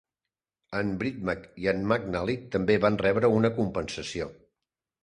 En Breatnach i en McNally també van rebre una compensació.